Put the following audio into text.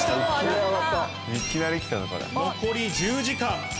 残り１０時間。